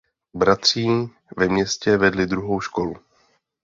Bratří ve městě vedli druhou školu.